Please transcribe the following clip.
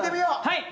はい！